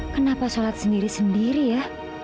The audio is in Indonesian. kenapa sholat sendiri sendiri ya